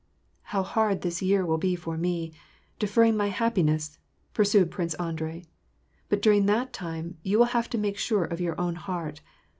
"How hard this year will be for me — deferring my happi ness !" pursued Prince Andrei. " But during the time, you will have made sure of your own heart.